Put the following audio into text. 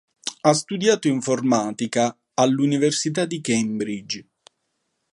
Ha studiato informatica all'Università di Cambridge.